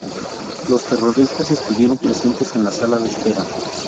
Los terroristas estuvieron presentes en la sala de espera.